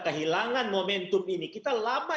kehilangan momentum ini kita lama